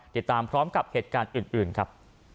ติดตามพร้อมกับเหตุการณ์อื่นครับ